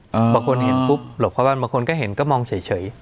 บางคนเห็นปุ๊บหลบเข้าบ้านบางคนก็เห็นก็มองเฉย